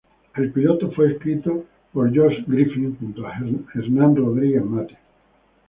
El piloto fue escrito por Josh Griffith junto a Hernan Rodriguez Matte.